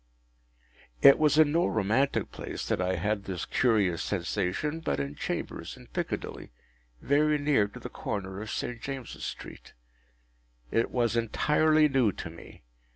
It was in no romantic place that I had this curious sensation, but in chambers in Piccadilly, very near to the corner of St. James’s Street. It was entirely new to me.